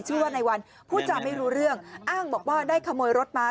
ชื่อว่าในวันพูดจาไม่รู้เรื่องอ้างบอกว่าได้ขโมยรถมา